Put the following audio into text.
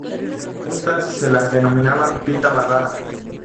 Juntas, se las denominaba pita barrada.